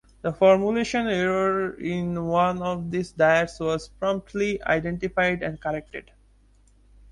The formulation error in one of these diets was promptly identified and corrected.